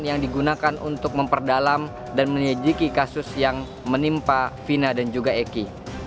yang digunakan untuk memperdalam dan menyejiki kasus yang menimpa fina dan juga eki